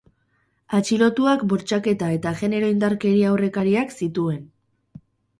Atxilotuak bortxaketa eta genero indarkeria aurrekariak zituen.